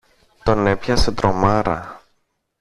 Τον έπιασε τρομάρα.